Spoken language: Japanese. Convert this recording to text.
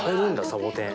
サボテン。